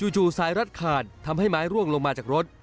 สายรัดขาดทำให้ไม้ร่วงลงมาจากรถ